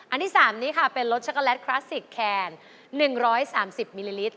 ที่๓นี้ค่ะเป็นรสช็อกโกแลตคลาสสิกแคน๑๓๐มิลลิลิตร